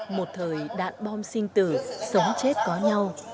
một thời đạn bom sinh tử sống chết có nhau